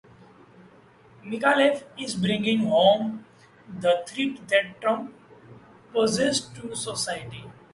Micallef, is bringing home the threat that Trump poses to society.